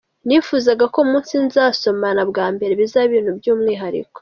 Nifuzaga ko umunsi nzasomana bwa mbere bizaba ibintu by’umwihariko.